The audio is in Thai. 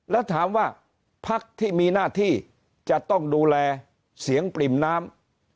แล้วถามว่าพักที่มีหน้าที่จะต้องดูแลเสียงปริ่มน้ำ